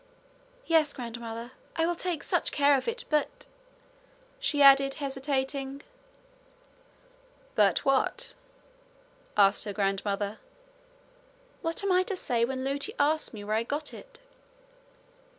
'Yes, grandmother. I will take such care of it! But ' she added, hesitating. 'But what?' asked her grandmother. 'What am I to say when Lootie asks me where I got it?'